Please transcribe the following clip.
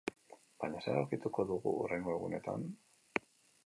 Baina zer aurkituko dugu hurrengo egunetan?